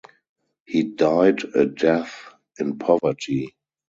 He died a death in poverty.